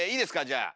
じゃあ。